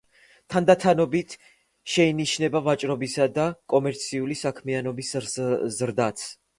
თანდათანობით შეინიშნება ვაჭრობისა და კომერციული საქმიანობის ზრდაც.